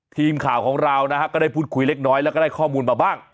ทีมข่าวของเรานะฮะก็ได้พูดคุยเล็กน้อยแล้วก็ได้ข้อมูลมาบ้าง